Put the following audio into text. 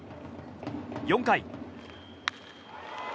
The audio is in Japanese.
４回。